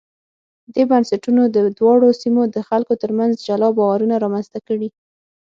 دې بنسټونو د دواړو سیمو د خلکو ترمنځ جلا باورونه رامنځته کړي.